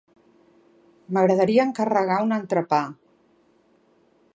M'agradaria encarregar un entrepà.